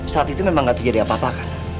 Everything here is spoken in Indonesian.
saat itu memang gak terjadi apa apa kan